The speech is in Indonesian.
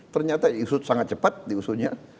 ternyata diusut sangat cepat diusutnya